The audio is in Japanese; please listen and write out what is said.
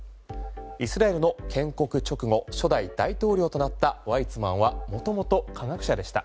イスラエルの建国直後初代大統領となったワイツマンは元々、化学者でした。